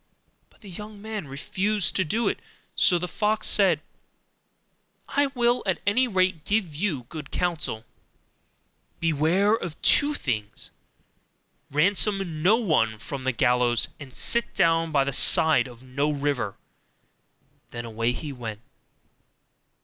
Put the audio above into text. But the young man refused to do it: so the fox said, 'I will at any rate give you good counsel: beware of two things; ransom no one from the gallows, and sit down by the side of no river.' Then away he went.